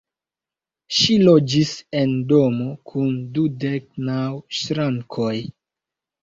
Ŝi loĝis en domo kun dudek naŭ ŝrankoj.